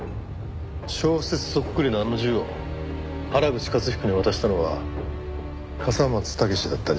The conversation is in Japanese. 小説そっくりなあの銃を原口雄彦に渡したのは笠松剛史だったんじゃないかと。